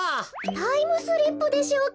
タイムスリップでしょうか？